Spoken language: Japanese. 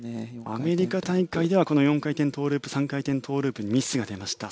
アメリカ大会ではこの４回転トウループ３回転トウループにミスが出ました。